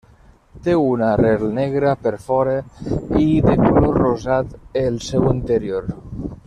Té una arrel negra per fora i de color rosat el seu interior.